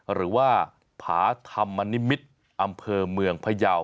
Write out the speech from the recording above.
หรือว่าผาธรรมนิมิตรอำเภอเมืองพยาว